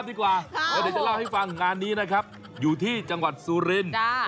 เดี๋ยวจะเล่าให้ฟังงานนี้นะครับอยู่ที่จังหวัดสุรินทร์